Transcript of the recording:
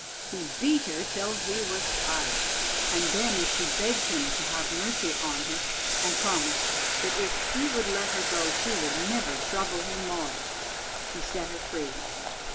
He beat her till he was tired; and then, as she begged him to have mercy on her, and promised that if he would let her go she would never trouble him more, he set her free.